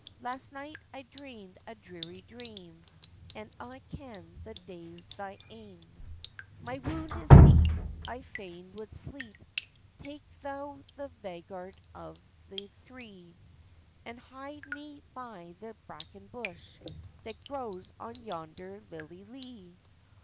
Last night I dreamd a dreary dream, And I ken the day's thy ain. "My wound is deep; I fain would sleep; Take thou the vanguard of the three, And hide me by the braken bush, That grows on yonder lilye lee.